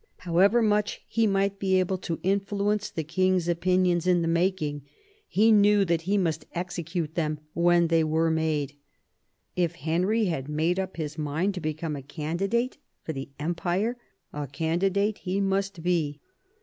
• However much he might be able to influence the king's opinions in the making, he knew that he must execute them when they were mada If Henry had made up his mind to become a candidate for the empire, a candidate he must be.